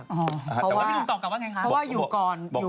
แต่ว่าเพราะว่าอยู่ก่อนพี่ดูต่อกับว่าไงคะ